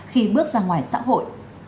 khi bước ra ngoài xã hội